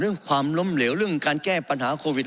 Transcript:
ความล้มเหลวเรื่องการแก้ปัญหาโควิด